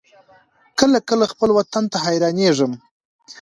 کله کله خپل وطن ته حيرانېږم.